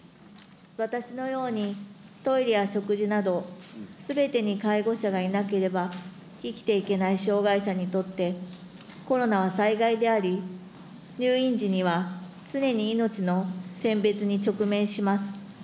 私のように、トイレや食事など、すべてに介護者がいなければ生きていけない障害者にとって、コロナは災害であり、入院時には常に命の選別に直面します。